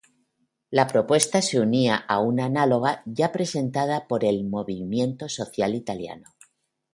La propuesta se unía a una análoga ya presentada por el Movimiento Social Italiano.